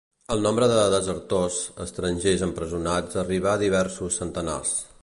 El nombre de «desertors» estrangers empresonats arribà a diversos centenars